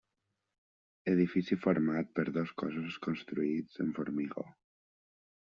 Edifici format per dos cossos construïts en formigó.